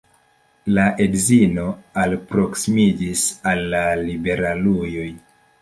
La edzino alproksimiĝis al la liberaluloj.